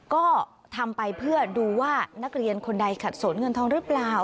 ก็ทำไปเพื่อดูว่านักเรียนคนใดขัดสนเงินทองหรือเปล่า